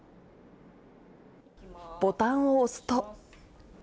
ボタンを押すと。